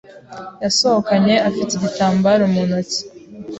Yasohokanye afite igitambaro mu ntoki.